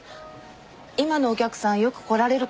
今のお客さんよく来られる方ですか？